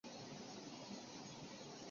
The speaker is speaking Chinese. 专辑也在爱尔兰的排行榜进入前十位。